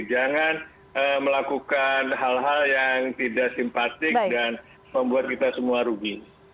jangan melakukan hal hal yang tidak simpatik dan membuat kita semua rugi